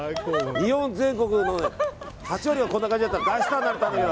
日本全国の８割がこんな感じだったら大スターになるよ。